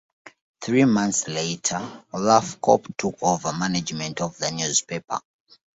Three months later, Olaf Koppe took over management of the newspaper.